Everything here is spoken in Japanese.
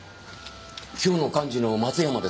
今日の幹事の松山ですが。